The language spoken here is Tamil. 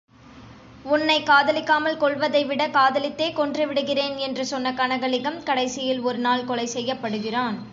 உன்னைக் காதலிக்காமல் கொல்வதைவிட காதலித்தே கொன்றுவிடுகிறேன்! என்று சொன்ன கனகலிங்கம், கடைசியில் ஒரு நாள் கொலை செய்யப்படுகிறான்.